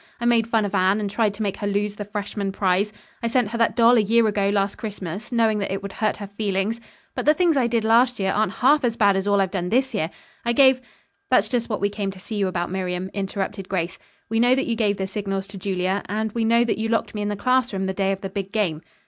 I made fun of Anne, and tried to make her lose the freshman prize. I sent her that doll a year ago last Christmas, knowing that it would hurt her feelings. But the things I did last year aren't half as bad as all I've done this year, I gave " "That's just what we came to see you about, Miriam," interrupted Grace. "We know that you gave the signals to Julia, and we know that you locked me in the classroom the day of the big game."